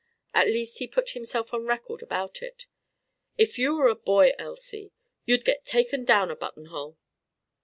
At least he put himself on record about it: "If you were a boy, Elsie, you'd get taken down a buttonhole!"